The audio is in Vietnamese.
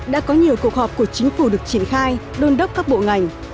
đã có nhiều cuộc họp của chính phủ được triển khai đôn đốc các bộ ngành